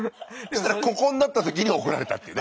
したらここになった時に怒られたっていうね。